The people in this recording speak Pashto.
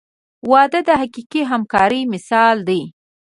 • واده د حقیقي همکارۍ مثال دی.